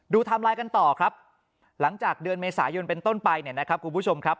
ไทม์ไลน์กันต่อครับหลังจากเดือนเมษายนเป็นต้นไปเนี่ยนะครับคุณผู้ชมครับ